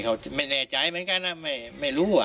เขาไม่แน่ใจเหมือนกันนะไม่รู้